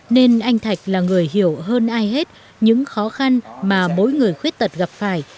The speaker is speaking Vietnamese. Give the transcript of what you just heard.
nên anh thạch là người hiểu hơn ai hết những khó khăn mà mỗi người khuyết tật gặp phải